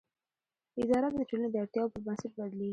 اداره د ټولنې د اړتیاوو پر بنسټ بدلېږي.